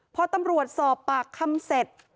พอตำรวจสอบปากคำเสร็จ